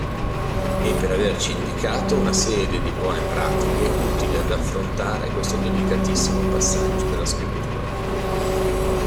E per averci indicato una serie di buone pratiche utili ad affrontare questo delicatissimo passaggio della scrittura.